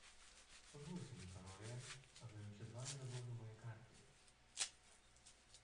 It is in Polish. "Pozwólcie mi panowie, abym przed wami rozłożył moje karty."